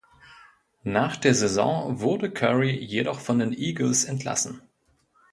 Nach der Saison wurde Curry jedoch von den Eagles entlassen.